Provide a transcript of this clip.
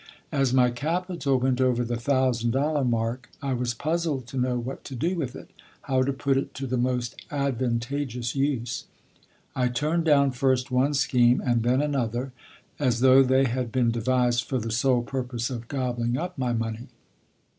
As my capital went over the thousand dollar mark, I was puzzled to know what to do with it, how to put it to the most advantageous use. I turned down first one scheme and then another, as though they had been devised for the sole purpose of gobbling up my money.